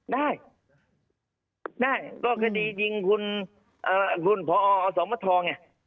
ได้ได้ก็คดีดิงคุณเอ่อคุณผ่อออสมททองน่ะ